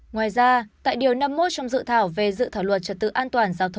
ngoài ra tại điều năm mươi một trong dự thảo về dự thảo luật